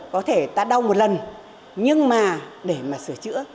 có thể ta đau một lần nhưng mà để mà sửa chữa